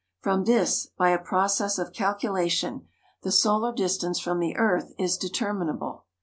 From this, by a process of calculation, the solar distance from the earth is determinable.